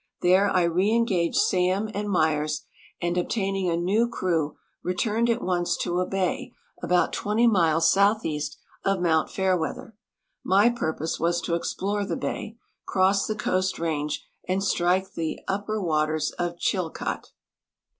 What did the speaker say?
There I reengaged Sam and Myers, and, obtaining a new crew, returned at once to a bay about twenty miles southeast of mount Fairweather. My purpose was to explore the bay, cross the Coast range, and strike the upper watere of Chilkaht."